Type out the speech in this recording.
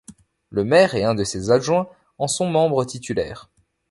Le maire et un de ses adjoints en sont membres titulaires.